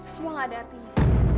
semua ada artinya